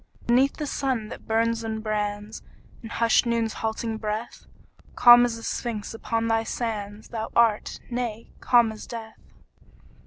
Beneath the sun that burns and brands In hushed Noon's halting breath, Calm as the Sphinx upon thy sands Thou art nay, calm as death.